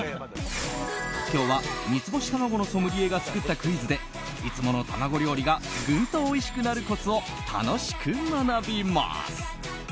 今日は三ツ星タマゴのソムリエが作ったクイズでいつもの卵料理がグンとおいしくなるコツを楽しく学びます。